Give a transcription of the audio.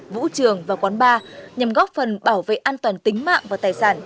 vũ trường và quán bar nhằm góp phần bảo vệ an toàn tính mạng và tài sản